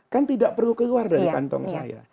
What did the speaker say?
kan tidak perlu keluar dari kantong saya